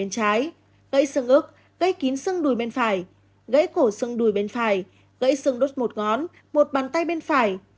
gãy xương ức gãy kín xương đùi bên phải gãy cổ xương đùi bên phải gãy xương đốt một ngón một bàn tay bên phải